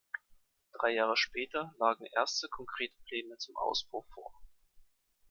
Drei Jahre später lagen erste konkrete Pläne zum Ausbau vor.